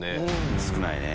少ないね。